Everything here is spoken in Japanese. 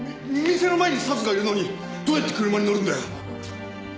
店の前にサツがいるのにどうやって車に乗るんだよ？